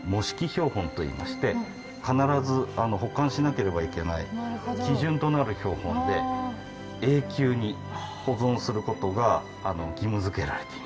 標本といいまして必ず保管しなければいけない基準となる標本で永久に保存することが義務づけられています。